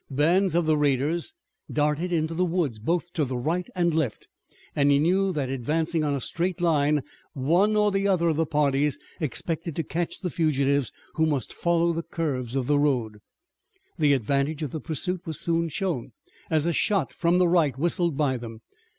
Bands of the raiders darted into the woods both to right and left, and he knew that advancing on a straight line one or the other of the parties expected to catch the fugitives who must follow the curves of the road. The advantage of the pursuit was soon shown as a shot from the right whistled by them.